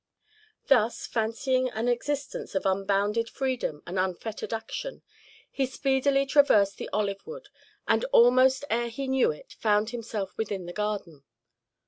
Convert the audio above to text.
Thus, fancying an existence of unbounded freedom and unfettered action, he speedily traversed the olive wood, and almost ere he knew it found himself within the garden.